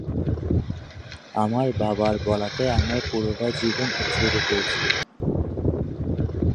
আমার বাবার বলাতে আমার পুরোটা জীবন উৎসর্গ করেছি।